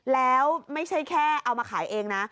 แล้วไม่ใช่แค่เอามาขายเองนะ